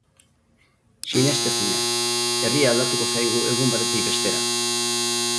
Sinestezina, herria aldatuko zaigu egun batetik bestera!